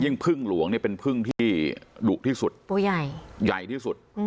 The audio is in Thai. ยิ่งพึ่งหลวงเนี่ยเป็นพึ่งที่หลุกที่สุดโปรใหญ่ใหญ่ที่สุดอืม